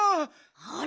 ああ。